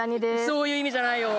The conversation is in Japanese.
そういう意味じゃないよ